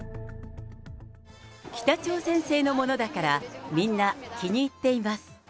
北朝鮮製のものだからみんな気に入っています。